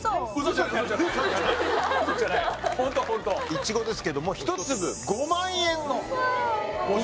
いちごですけども１粒５万円の。